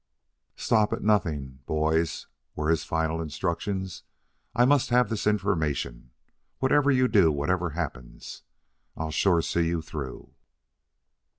"Stop at nothing, boys," were his final instructions. "I must have this information. Whatever you do, whatever happens, I'll sure see you through."